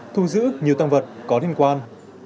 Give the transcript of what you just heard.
thu giữ nhiều tăng vật có liên quan